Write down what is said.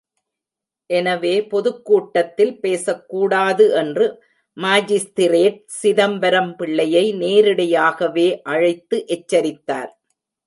எனவே பொதுக் கூட்டத்தில் பேசக் கூடாது என்று மாஜிஸ்திரேட் சிதம்பரம் பிள்ளையை நேரிடையாகவே அழைத்து எச்சரித்தார்.